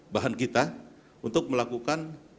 bahan kita untuk melakukan